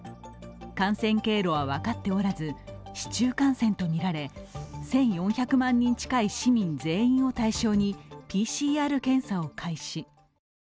感染経路は分かっておらず、市中感染とみられ１４００万人近い市民全員を対象にＰＣＲ検査を開始。